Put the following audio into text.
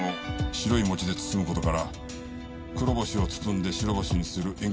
白い餅で包む事から黒星を包んで白星にする縁起物だ。